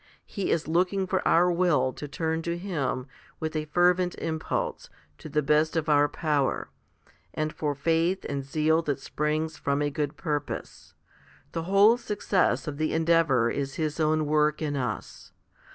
He is looking for our will to turn to Him with a fervent impulse, to the best of our power, and for faith and zeal that springs from a good purpose ; the whole success of the endeavour is His own work in us.